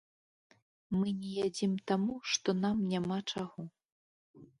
Мы не ядзім таму, што нам няма чаго.